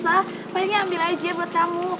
roman gak usah palingnya ambil aja buat kamu